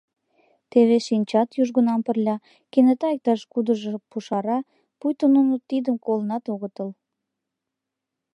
Теве шинчат южгунам пырля, кенета иктаж-кудыжо пушара, пуйто нуно тидым колынат огытыл.